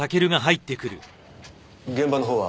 現場のほうは？